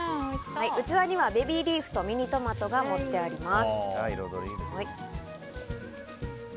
器にはベビーリーフとミニトマトが盛ってあります。